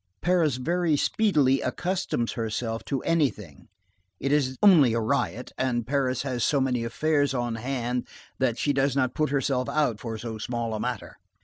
Paris very speedily accustoms herself to anything,—it is only a riot,—and Paris has so many affairs on hand, that she does not put herself out for so small a matter.